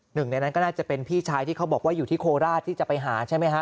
หนึ่งในนั้นก็น่าจะเป็นพี่ชายที่เขาบอกว่าอยู่ที่โคราชที่จะไปหาใช่ไหมฮะ